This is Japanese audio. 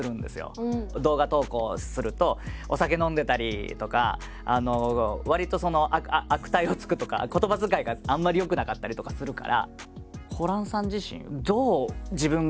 動画投稿するとお酒飲んでたりとかわりとその悪態をつくとか言葉遣いがあんまり良くなかったりとかするから。